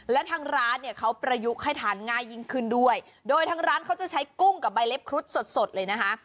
และทางร้านเนี่ยเขาประยุกต์ให้ทานง่ายยิ่งขึ้นด้วยโดยทางร้านเขาจะใช้กุ้งกับใบเล็บครุฑสดสดเลยนะคะ